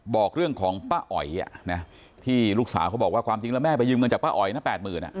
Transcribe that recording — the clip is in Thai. บอกเรื่องของป้าอ๋อยที่ลูกสาวเขาบอกว่าความจริงแล้วแม่ไปยืมเงินจากป้าอ๋อยนะ๘๐๐๐บาท